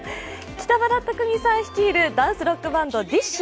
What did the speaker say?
北村匠海さん率いるダンスロックバンド、ＤＩＳＨ／／。